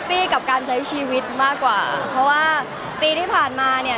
มันเป็นเรื่องน่ารักที่เวลาเจอกันเราต้องแซวอะไรอย่างเงี้ย